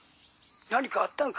「何かあったんか？